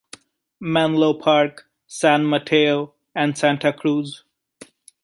Menlo Park, San Mateo, and Santa Cruz.